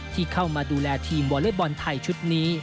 ที่เข้ามาดูแลทีมวอเล็กบอลไทยชุดนี้